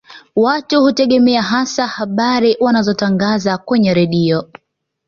Watu hutegemea hasa habari wanazotangaza kwenye redio